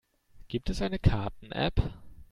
Gibt es eine Karten-App?